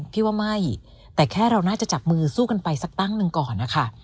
พี่ว่าไม่แต่แค่เราน่าจะจับมือสู้กันไปสักตั้งหนึ่งก่อนนะคะ